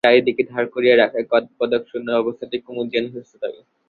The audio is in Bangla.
তা ছাড়া চারিদিকে ধার করিয়া রাখিয়া কপদকশূন্য অবস্থাতেই কুমুদ যেন সুস্থ থাকে।